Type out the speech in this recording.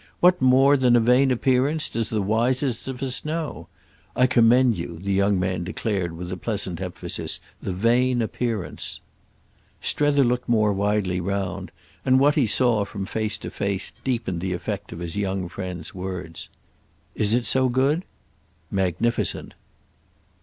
What more than a vain appearance does the wisest of us know? I commend you," the young man declared with a pleasant emphasis, "the vain appearance." Strether looked more widely round, and what he saw, from face to face, deepened the effect of his young friend's words. "Is it so good?" "Magnificent."